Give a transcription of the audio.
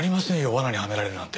罠にはめられるなんて。